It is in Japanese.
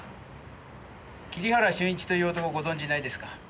桐原俊一という男ご存じないですか？